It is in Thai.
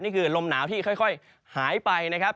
ลมหนาวที่ค่อยหายไปนะครับ